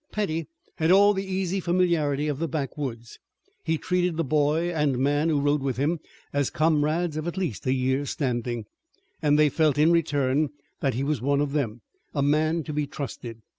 Petty had all the easy familiarity of the backwoods. He treated the boy and man who rode with him as comrades of at least a year's standing, and they felt in return that he was one of them, a man to be trusted.